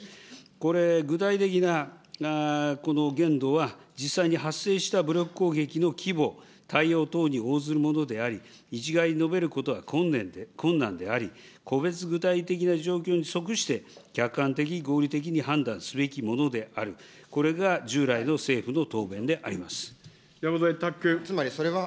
これ、具体的な限度は実際に発生した武力攻撃の規模、対応等に応ずるものであり、一概に述べることは困難であり、個別具体的な状況に即して、客観的に合理的に判断すべきものである、これが従来の政府の答弁であります。